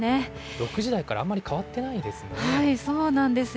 ６時台からあんまり変わってないですね。